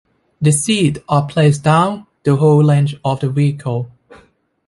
The seats are placed down the whole length of the vehicle.